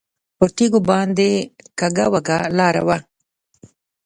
پر تیږو باندې کږه وږه لاره وه.